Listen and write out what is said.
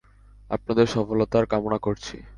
আপনাদের সফলতার কামনা করছি।